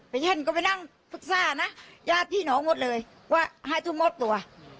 ไปแห่งก็ไปนั่งภึกษานะญาติพี่หนอหมดเลยว่าให้ทุกคนมอบตัว